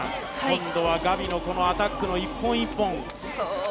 今度はガビのアタックの１本１本。